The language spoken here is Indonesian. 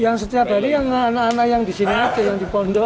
yang setiap hari yang anak anak yang disini atin yang dipondok